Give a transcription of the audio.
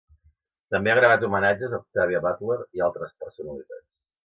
També ha gravat homenatges a Octavia Butler i altres personalitats.